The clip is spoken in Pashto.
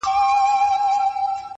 گراني بس څو ورځي لا پاته دي.